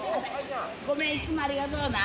ごめんいつもありがとうな。